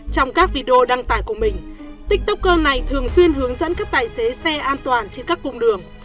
trong các video đăng tải của mình tiktoker này thường xuyên hướng dẫn các tài xế xe an toàn trên các cung đường